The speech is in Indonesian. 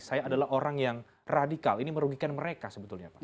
saya adalah orang yang radikal ini merugikan mereka sebetulnya pak